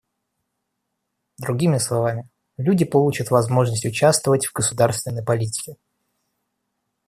Другими словами, люди получат возможность участвовать в государственной политике.